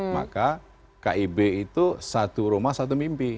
maka kib itu satu rumah satu mimpi